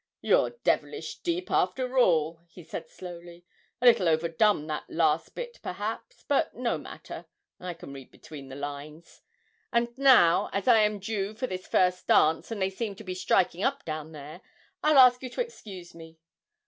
'You're devilish deep, after all,' he said slowly: 'a little overdone that last bit, perhaps, but no matter I can read between the lines. And now, as I am due for this first dance, and they seem to be striking up down there, I'll ask you to excuse me.